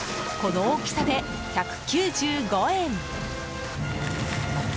この大きさで１９５円。